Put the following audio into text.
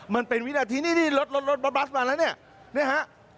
มันเป็นวินาทีนี่รถบัสมาแล้วเนี่ย